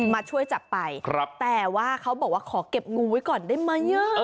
มาช่วยจับไปแต่ว่าเขาบอกว่าขอเก็บงูไว้ก่อนได้ไหม